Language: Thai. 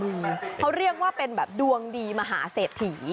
รอบนี้เค้าเรียกว่าเป็นแบบดวงดีมหาเศษฐี